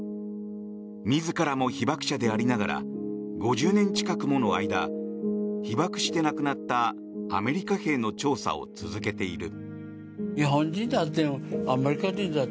自らも被爆者でありながら５０年近くもの間被爆して亡くなったアメリカ兵の調査を続けている。